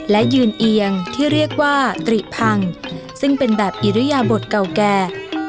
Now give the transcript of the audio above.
และยืนเอียงที่เรียกว่าตริพังซึ่งเป็นแบบอิริยบทเก่าแก่